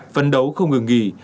phấn đấu không ngừng nghỉ